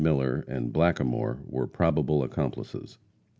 Miller and Blackamore were probable accomplices.